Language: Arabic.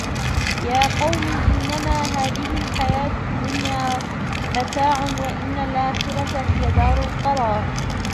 يا قَومِ إِنَّما هذِهِ الحَياةُ الدُّنيا مَتاعٌ وَإِنَّ الآخِرَةَ هِيَ دارُ القَرارِ